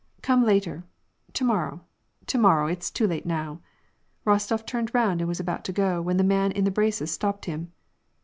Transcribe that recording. " Come later, to morrow, to morrow. It's too late now." Kostof turned round and was about to go, when the man in the braces stopped him.